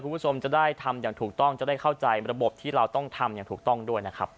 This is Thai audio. คุณผู้ชมจะได้ทำอย่างถูกต้องจะได้เข้าใจระบบที่เราต้องทำอย่างถูกต้องด้วยนะครับ